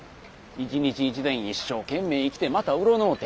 一日一善一生懸命生きてまた占うて。